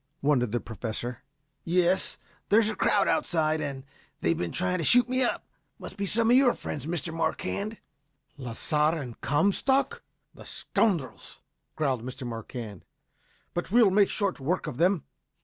wondered the Professor. "Yes; there's a crowd outside, and they've been trying to shoot me up. Must be some of your friends, Mr. Marquand." "Lasar and Comstock? The scoundrels!" growled Mr. Marquand. "But we'll make short work of them."